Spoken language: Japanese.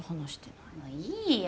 もういいよ。